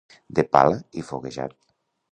De pala i foguejat.